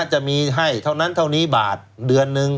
จะมีให้เท่านั้นเท่านี้บาทเดือนนึง